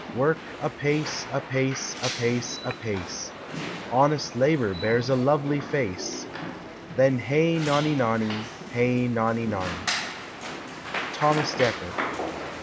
Work apace, apace, apace, apace; Honest labor bears a lovely face; Then hey nonny nonny, hey nonny nonny! _Thomas Dekker.